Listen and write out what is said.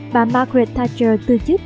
bà margaret thatcher tư chức